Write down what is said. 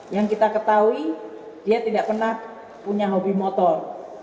yang kita ketahui dia tidak pernah punya hobi motor